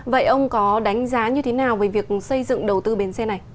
vậy ông có đánh giá như thế nào về việc xây dựng đầu tư bến xe này